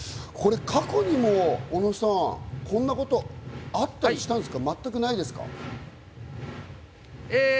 過去にも小野さん、こんなことあったりしたんですか？